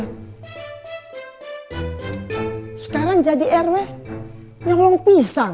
sekarang jadi rw nyolong pisang